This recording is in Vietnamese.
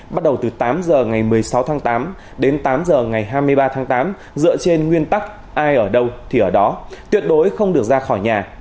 bắt đầu từ tám h ngày một mươi sáu tháng tám đến tám h ngày hai mươi ba tháng tám dựa trên nguyên tắc ai ở đâu thì ở đó tuyệt đối không được ra khỏi nhà